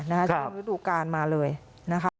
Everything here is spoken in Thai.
ช่วงฤดูกาลมาเลยนะคะ